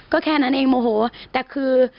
ก็แค่นั้นเองโมโหแต่คือ